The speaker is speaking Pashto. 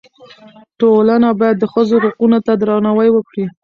ټولنه باید د ښځو حقونو ته درناوی وکړي.